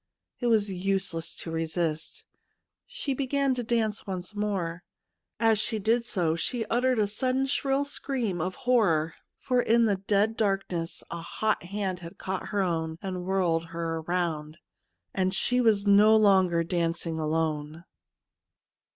It was useless to resist ; she began to dance once more. As she did so she uttered a sudden shrill scream of horror, for in the dead darkness a hot hand had caught her own and whirled her round, and she was vo longer dancing alone.